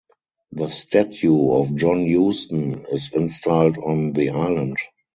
The statue of John Huston is installed on the island.